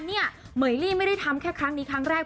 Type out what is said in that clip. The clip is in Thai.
เหมือยลี่ไม่ได้ทำแค่ครั้งนี้ครั้งแรก